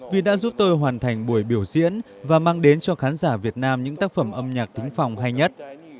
vì đã giúp tôi hoàn thành buổi biểu diễn và mang đến cho khán giả việt nam những tác phẩm âm nhạc tính phòng hay nhất